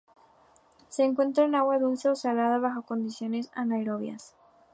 Se encuentran en agua dulce o salada bajo condiciones anaerobias.